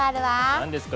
何ですか？